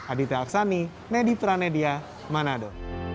aditya aksani nedi pranedia manado